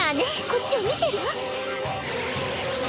こっちを見てるわ。